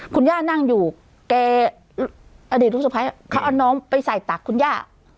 คุณย่านั่งอยู่แกอดีตลูกสะพ้ายเขาเอาน้องไปใส่ตักคุณย่า